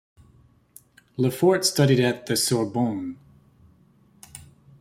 Lefort studied at the Sorbonne.